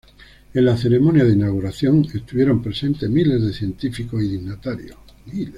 En la ceremonia de inauguración estuvieron presentes miles de científicos y dignatarios.